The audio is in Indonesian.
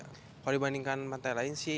kalau dibandingkan pantai lain sih